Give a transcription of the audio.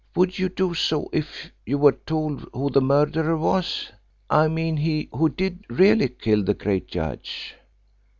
Would you do so if you were told who the murderer was I mean he who did really kill the great judge?"